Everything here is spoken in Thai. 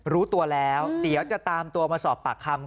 รู้ตัวแล้วเดี๋ยวจะตามตัวมาสอบปากคำ